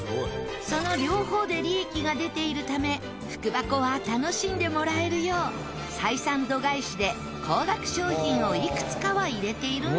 その両方で利益が出ているため福箱は楽しんでもらえるよう採算度外視で高額商品をいくつかは入れているんだそう。